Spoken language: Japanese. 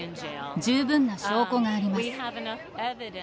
十分な証拠があります。